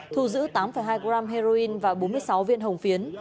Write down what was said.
thu giữ tám hai gram heroin và bốn mươi sáu viên hồng phiến